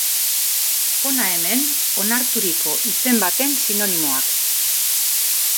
Hona hemen onarturiko izen baten sinonimoak.